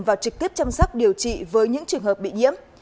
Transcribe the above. và trực tiếp chăm sóc điều trị với những trường hợp bị nhiễm